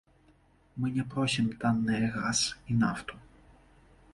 Мы не просім танныя газ і нафту.